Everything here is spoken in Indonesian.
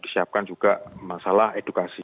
disiapkan juga masalah edukasi